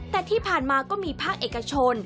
แต่ที่ผ่านมาก็มีภาคเอกชน